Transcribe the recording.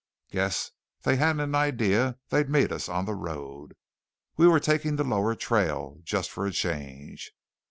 Guess they hadn't an idea they'd meet us on the road. We were taking the lower trail just for a change.